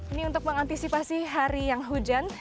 ini untuk mengantisipasi hari yang hujan